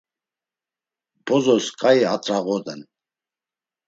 Bozos ǩai at̆rağoden.